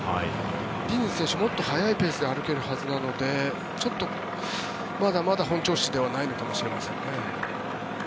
ディニズ選手もっと速いペースで歩けるはずなのでちょっとまだまだ本調子ではないのかもしれませんね。